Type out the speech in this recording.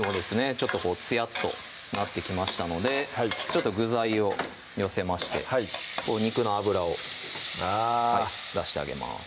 ちょっとこうつやっとなってきましたのでちょっと具材を寄せまして肉の脂を出してあげます